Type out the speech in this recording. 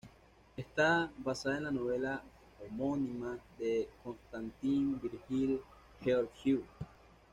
Está basada en la novela homónima de Constantin Virgil Gheorghiu.